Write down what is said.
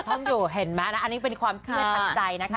ท่อนอยู่เห็นไหมนะอันนี้เป็นความเชื่อทันใจนะคะ